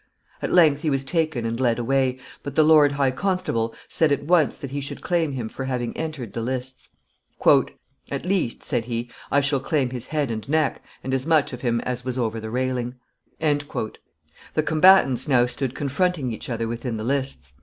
At length he was taken and led away; but the lord high constable said at once that he should claim him for having entered the lists. [Sidenote: Horse's head forfeited.] "At least," said he, "I shall claim his head and neck, and as much of him as was over the railing." [Sidenote: The pleadings.] The combatants now stood confronting each other within the lists.